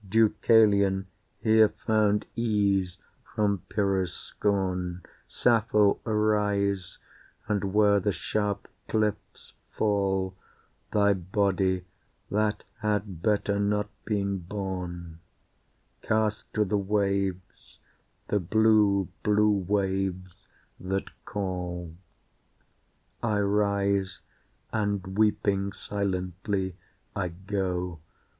Deucalion here found ease from Pyrrah's scorn, Sappho arise, and where the sharp cliffs fall, Thy body, that had better not been born, Cast to the waves, the blue, blue waves that call. I rise, and weeping silently, I go.